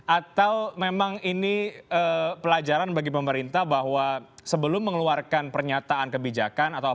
atau memang ini pelajaran bagi pemerintah bahwa sebelum mengeluarkan pernyataan kebijakan